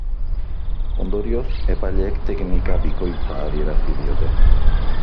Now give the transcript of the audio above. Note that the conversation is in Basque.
Ondorioz, epaileek teknika bikoitza adierazi diote.